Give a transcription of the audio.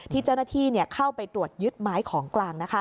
ที่เจ้าหน้าที่เข้าไปตรวจยึดไม้ของกลาง